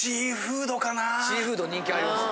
シーフード人気ありますね。